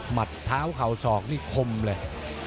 หมาดเท้าเขาสอกนี่กว้มเลย